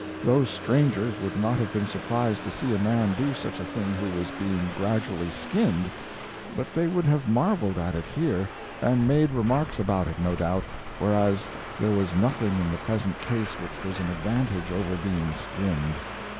Those strangers would not have been surprised to see a man do such a thing who was being gradually skinned, but they would have marveled at it here, and made remarks about it no doubt, whereas there was nothing in the present case which was an advantage over being skinned.